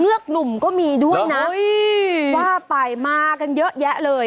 เงือกหนุ่มก็มีด้วยน่ะอุ้ยว่าไปมากันเยอะแยะเลย